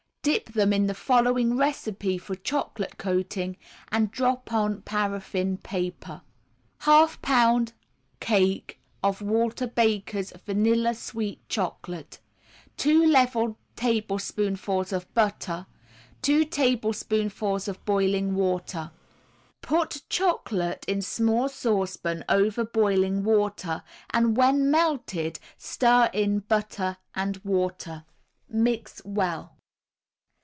Dip them in the following recipe for chocolate coating, and drop on paraffine paper. 1/2 pound cake of Walter Baker's Vanilla Sweet Chocolate, 2 level tablespoonfuls of butter, 2 tablespoonfuls of boiling water. Put chocolate in small saucepan over boiling water and when melted stir in butter and water. Mix well.